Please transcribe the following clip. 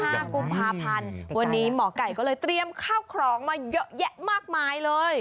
ห้ากุมภาพันธ์วันนี้หมอไก่ก็เลยเตรียมข้าวของมาเยอะแยะมากมายเลย